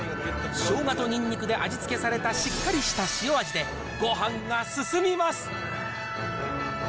しょうがとにんにくで味付けされたしっかりした塩味で、ごはんが進みます。